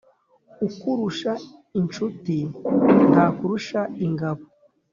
Utakurusha incuti ntakurusha ingabo.